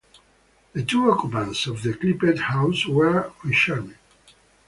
The two occupants of the clipped house were unharmed.